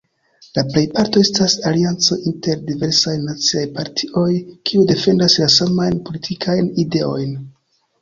La plejparto estas aliancoj inter diversajn naciaj partioj, kiuj defendas la samajn politikajn ideojn.